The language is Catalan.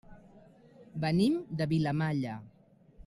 Venim de Vilamalla.